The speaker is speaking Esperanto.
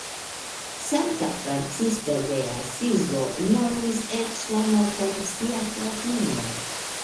Sankta Francisko el Asizo nomis eĉ la morton "sia fratino".